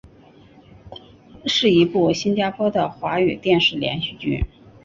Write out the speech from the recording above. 是一部新加坡的的华语电视连续剧。